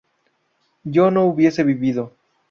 yo no hubiese vivido